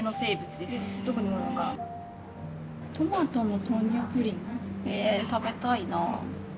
「トマトの豆乳プリン」ええ食べたいなぁ。